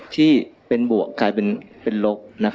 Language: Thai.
ที่เป็นบวกกลายเป็นเป็นลก